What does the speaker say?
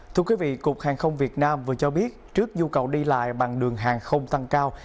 thưa quý vị cục hàng không việt nam vừa cho biết trước nhu cầu đi lại bằng đường hàng không tăng cao